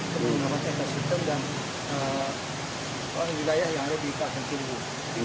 kemudian ada kentas hitam dan wilayah yang ada di ikatan ciliwung